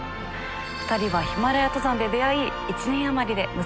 ２人はヒマラヤ登山で出会い１年余りで結ばれました。